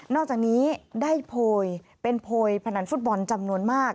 อกจากนี้ได้โพยเป็นโพยพนันฟุตบอลจำนวนมาก